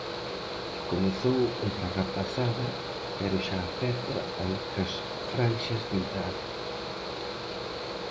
Comezou entre a rapazada pero xa afecta a outras franxas de idade.